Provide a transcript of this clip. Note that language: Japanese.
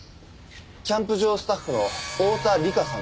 キャンプ場スタッフの大田里香さんです。